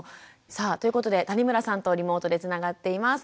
さあということで谷村さんとリモートでつながっています。